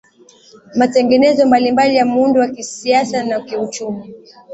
matengenezo mbalimbali ya muundo wa kisiasa na kiuchumi